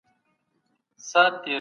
د خپلوانو اړیکې ټینګې وساتئ.